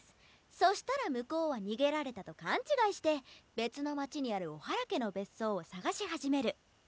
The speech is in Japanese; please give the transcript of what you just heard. そしたら向こうは逃げられたと勘違いして別の町にある小原家の別荘を捜し始める。